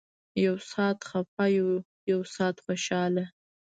يو سات خپه يو سات خوشاله.